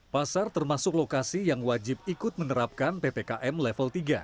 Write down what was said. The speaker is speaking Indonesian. pasar termasuk lokasi yang wajib ikut menerapkan ppkm level tiga